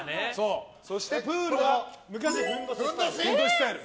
そしてプールはふんどしスタイル。